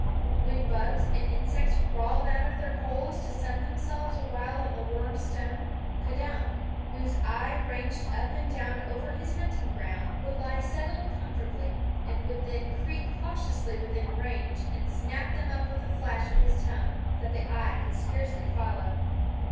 When bugs and insects crawled out of their holes to sun themselves awhile on a warm stone, K'dunk, whose eye ranged up and down over his hunting ground, would lie settled comfortably, and would then creep cautiously within range and snap them up with a flash of his tongue that the eye could scarcely follow.